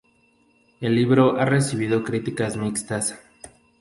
El libro ha recibido críticas mixtas.